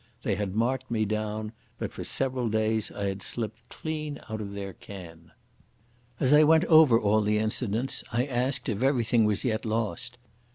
They had marked me down, but for several days I had slipped clean out of their ken. As I went over all the incidents, I asked if everything was yet lost.